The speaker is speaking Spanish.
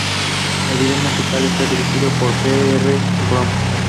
El video musical está dirigido por P. R. Brown.